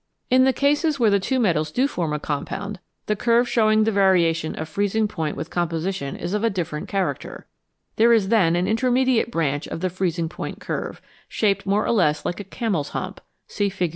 In the cases where the two metals do form a com pound, the curve showing the variation of freezing point with composition is of a different character ; there is then an intermediate branch of the freezing point curve, shaped more or less like a earners hump (see Fig.